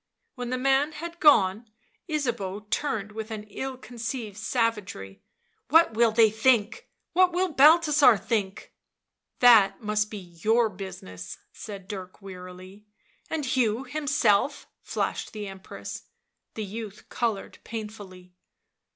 7 When the man had gone, Ysabeau turned with an ill ' concealed savagery. u What will they think ! What will Balthasar think!" " That must be your business," said Dirk wearily. " And Hugh himself !" flashed the Empress. The youth coloured painfully.